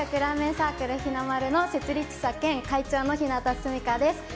サークルひなまるの設立者兼会長のひなたすみかです。